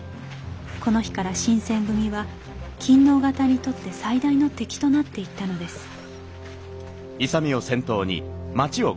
この日から新選組は勤皇方にとって最大の敵となっていったのです